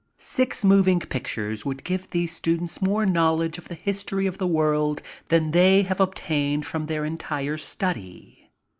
Six mov ing pictures would give these students more knowledge of llie history of the world than they have obtain^ from their entire study.